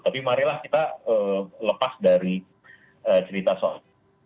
tapi marilah kita lepas dari cerita soal